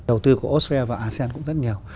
đầu tư của australia và asean cũng rất nhiều